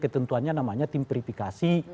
ketentuannya namanya tim verifikasi